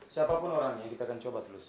siapapun orangnya kita akan coba terus